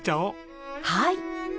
はい。